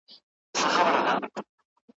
په کار تېر کړ ,